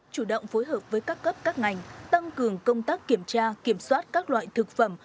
chủ động phối hợp với các cấp các ngành tăng cường công tác kiểm tra kiểm soát các loại thực phẩm